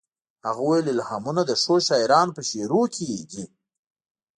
هغه وویل الهامونه د ښو شاعرانو په شعرونو کې دي